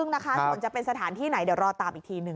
ซึ่งนะคะส่วนจะเป็นสถานที่ไหนเดี๋ยวรอตามอีกทีหนึ่ง